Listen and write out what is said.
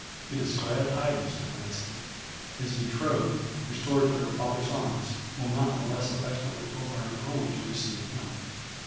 It is glad tidings to Clancy, His betrothed, restored to her father's arms, will not the less affectionately open her own to receive him.